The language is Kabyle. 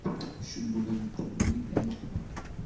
Cewwlen-kem widak?